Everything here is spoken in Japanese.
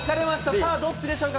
さあどっちでしょうか。